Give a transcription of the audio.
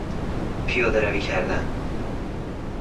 پیادهروی کردن